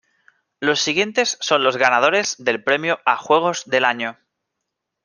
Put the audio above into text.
Los siguientes son los ganadores del Premio a Juegos del Año.